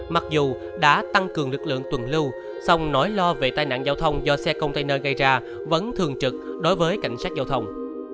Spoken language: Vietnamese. mặc dù đã tăng cường lực lượng tuần lưu song nỗi lo về tai nạn giao thông do xe container gây ra vẫn thường trực đối với cảnh sát giao thông